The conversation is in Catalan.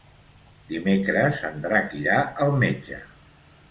Dimecres en Drac irà al metge.